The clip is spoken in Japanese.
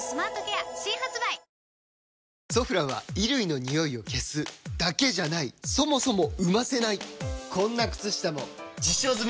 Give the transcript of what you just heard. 「ソフラン」は衣類のニオイを消すだけじゃないそもそも生ませないこんな靴下も実証済！